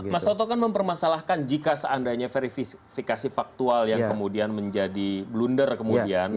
mas toto kan mempermasalahkan jika seandainya verifikasi faktual yang kemudian menjadi blunder kemudian